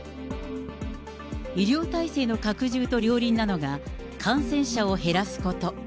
医療体制の拡充と両輪なのが、感染者を減らすこと。